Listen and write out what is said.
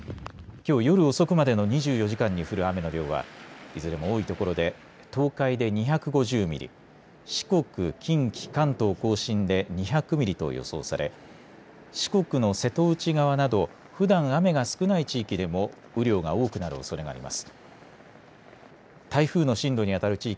きょう夜遅くまでの２４時間に降る雨の量はいずれも多い所で東海で２５０ミリ四国、近畿関東甲信で２００ミリと予想され四国の瀬戸内側などふだん雨が少ない地域でも雨量が多くなるおそれがあります。